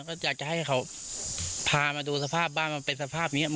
ก็อยากจะให้เขาพามาดูสภาพบ้านมันเป็นสภาพนี้